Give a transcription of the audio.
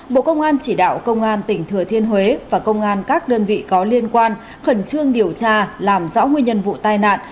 bộ công an chỉ đạo công an tỉnh thừa thiên huế và công an các đơn vị có liên quan khẩn trương điều tra làm rõ nguyên nhân vụ tai nạn